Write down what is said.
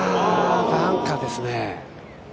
バンカーですね。